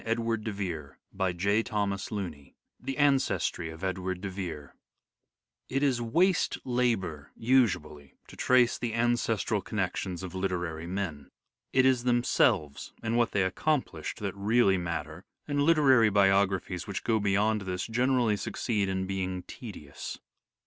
220 " SHAKESPEARE " IDENTIFIED II THE ANCESTRY OF EDWARD DE VERE It is waste labour usually to trace the ancestral connections of literary men. It is themselves and what they accomplished that really matter, and literary biographies which go beyond this generally succeed in being tedious.